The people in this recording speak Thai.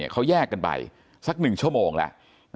เขาแยกกันไปสัก๑ชั่วโมงแล้ว